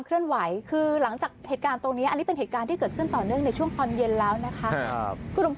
นี่แหละค่ะภาพคุณป้านี้สถานาโซเชียลเลยฮะ